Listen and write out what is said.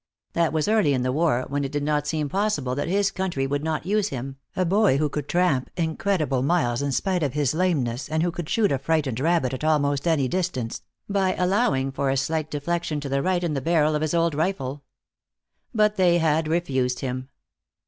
That was early in the war, when it did not seem possible that his country would not use him, a boy who could tramp incredible miles in spite of his lameness and who could shoot a frightened rabbit at almost any distance, by allowing for a slight deflection to the right in the barrel of his old rifle. But they had refused him.